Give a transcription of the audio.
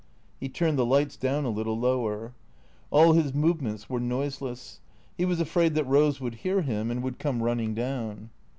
He turned the lights down a little lower. All his movements were noiseless. He was afraid that Eose would hear him and would come running down.